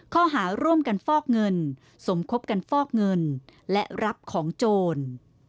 ข้อหาร่วมกันฟอกเงินสมคบกันฟอกเงินและรับของโจร